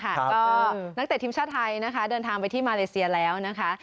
ก็นักเตะทีมชาติไทยนะคะเดินทางไปที่มาเลเซียแล้วนะคะ